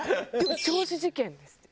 「銚子事件」ですって。